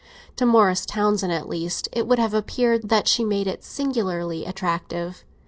To Morris Townsend, at least, it would have appeared that she made it singularly attractive.